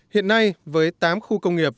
hiện nay với tám khu công nghiệp